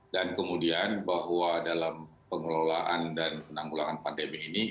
dan kemudian bahwa dalam pengelolaan dan penanggulangan pandemi ini